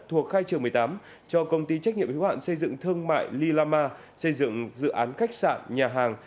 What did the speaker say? thuộc khai trường một mươi tám cho công ty trách nhiệm yếu hạn xây dựng thương mại lila ma xây dựng dự án khách sạn nhà hàng